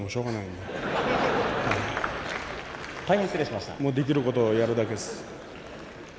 できることをやるだけです。